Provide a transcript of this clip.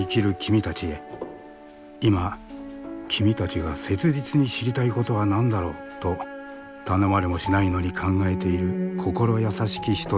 「今君たちが切実に知りたいことは何だろう？」と頼まれもしないのに考えている心優しき人たちがいる。